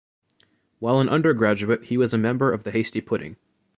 While an undergraduate, he was a member of the Hasty Pudding.